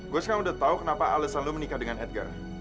gue sekarang udah tahu kenapa alasan lo menikah dengan edgar